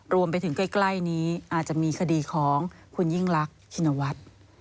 รวมไปถึงใกล้นี้อาจจะมีคดีของคุณยิ่งรักชินวัฒน์